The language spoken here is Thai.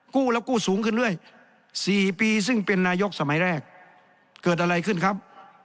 กู้แล้วกู้สูงขึ้นเรื่อย๔ปีซึ่งเป็นนายกสมัยแรกเกิดอะไรขึ้นครับ